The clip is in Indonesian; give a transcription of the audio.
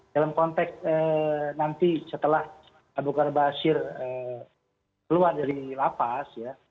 dalam konteks nanti setelah abu bakar basir keluar dari lapas ya